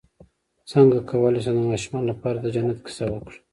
څنګه کولی شم د ماشومانو لپاره د جنت کیسه وکړم